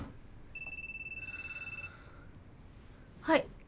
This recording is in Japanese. はい。